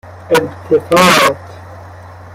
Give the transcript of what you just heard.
اِلتفات